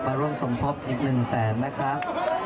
มาร่วมสมทบอีกหนึ่งแสนนะครับ